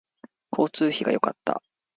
交通費が良かった